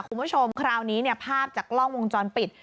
คุณผู้ชมคราวนี้เนี่ยภาพจากกล้องวงจรปิด